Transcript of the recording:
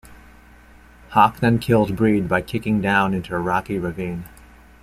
Hawk then kills Breed by kicking down into a rocky ravine.